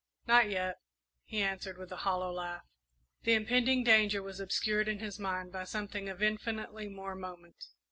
"Not yet," he answered, with a hollow laugh. The impending danger was obscured, in his mind, by something of infinitely more moment.